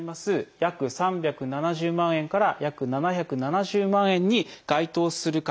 約３７０万円から約７７０万円に該当する方。